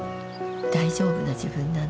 「大丈夫な自分なんだ。